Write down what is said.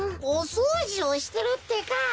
おそうじをしてるってか。